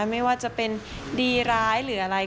ไม่ว่าจะเป็นดีร้ายหรืออะไร